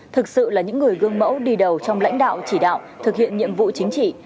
thực sự là những người gương mẫu đi đầu trong lãnh đạo chỉ đạo thực hiện nhiệm vụ chính trị